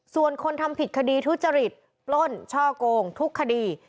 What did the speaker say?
ส่วนคนทำผิดคดีทุจริตปล้นช่อกงทุกคดี